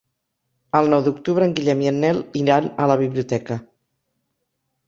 El nou d'octubre en Guillem i en Nel iran a la biblioteca.